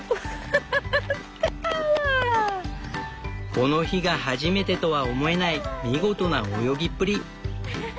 この日が初めてとは思えない見事な泳ぎっぷり。